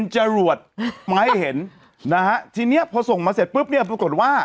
จรวดมาให้เห็นนะฮะทีเนี้ยพอส่งมาเสร็จปุ๊บเนี่ยปรากฏว่า